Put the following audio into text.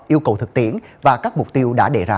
yêu cầu thực tiễn và các mục tiêu đã đề ra